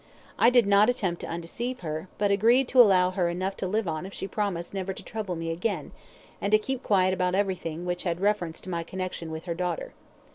I did not attempt to undeceive her, but agreed to allow her enough to live on if she promised never to trouble me again, and to keep quiet about everything which had reference to my connection with her daughter.